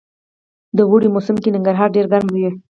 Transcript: د اوړي موسم کي ننګرهار ډير ګرم وي